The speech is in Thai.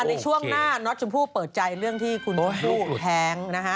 ในช่วงหน้าน็อตชมพู่เปิดใจเรื่องที่ลูกแพง